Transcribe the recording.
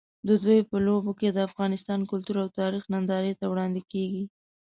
د دوی په لوبو کې د افغانستان کلتور او تاریخ نندارې ته وړاندې کېږي.